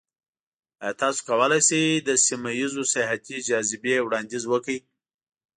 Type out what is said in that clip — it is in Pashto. ایا تاسو کولی شئ د سیمه ایزو سیاحتي جاذبې وړاندیز وکړئ؟